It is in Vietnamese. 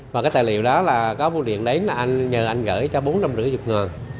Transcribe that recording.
và cái tài liệu đó là có bô điện đến là anh nhờ anh gửi cho bốn trăm năm mươi đồng